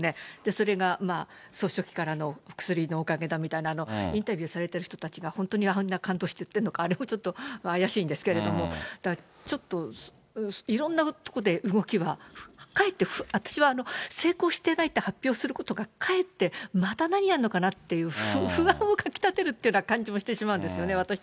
それが総書記からの薬のおかげだみたいな、インタビューされてる人たちが本当にあんな感動して言ってるのか、あれもちょっと怪しいんですけれども、ちょっと、いろんなとこで動きは、かえって私は、成功してないって発表することが、かえってまた何やんのかなって、不安をかき立てるような感じもしてしまうんですよね。